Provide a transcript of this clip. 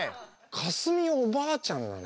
架純おばあちゃんなの？